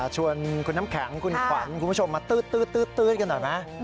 ชวนคุณน้ำแข็งคุณขวัญคุณผู้ชมมาตื๊ดกันหน่อยไหม